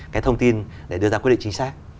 cái thông tin để đưa ra quyết định chính xác